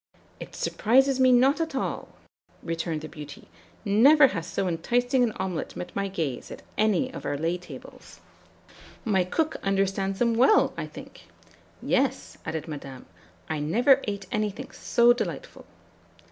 "'It surprises me not at all,' returned the beauty; 'never has so enticing an omelet met my gaze at any of our lay tables.' "'My cook understands them well, I think.' "'Yes,' added Madame, 'I never ate anything so delightful.'"